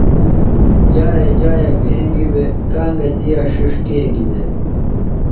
جایہ جایہ بھنگیۡ بےۡ، گانگہ دِیا ݜِݜ کینگیۡ دےۡ